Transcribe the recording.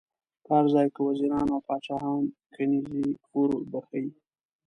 په هر ځای کې وزیران او پاچاهان کنیزي ور بخښي.